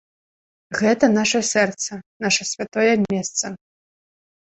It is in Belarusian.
Гэта наша сэрца, наша святое месца!